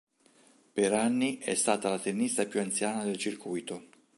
Per anni è stata la tennista più anziana del circuito.